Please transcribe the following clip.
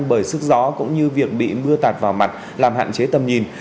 bởi sức gió cũng như việc bị mưa tạt vào mặt làm hạn chế tầm nhìn